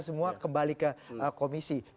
semua kembali ke komisi